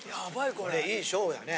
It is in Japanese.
これいい勝負だね。